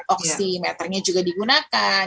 oksimeternya juga digunakan